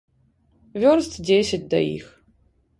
Вёрст дзесяць да іх.